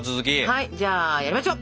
はいじゃあやりましょう。